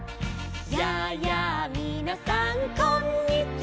「やあやあみなさんこんにちは」